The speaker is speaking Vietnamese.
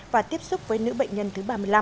và tiếp xúc với nữ bệnh nhân thứ ba mươi năm